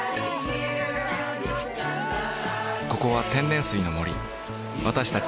ここは天然水の森私たち